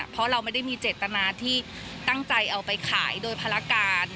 เพราะเราไม่ได้มีเจตนาที่ตั้งใจเอาไปขายโดยภารการ